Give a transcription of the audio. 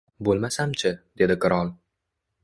— Bo‘lmasam-chi, — dedi qirol.